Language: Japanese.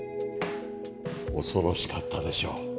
恐ろしかったでしょう。